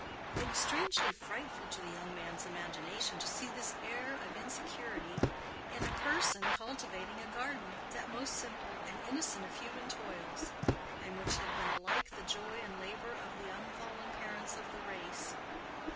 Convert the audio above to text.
It was strangely frightful to the young man's imagination to see this air of insecurity in a person cultivating a garden, that most simple and innocent of human toils, and which had been alike the joy and labor of the unfallen parents of the race.